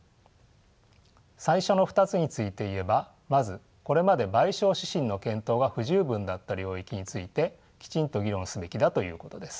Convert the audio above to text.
最初の２つについて言えばまずこれまで賠償指針の検討が不十分だった領域についてきちんと議論すべきだということです。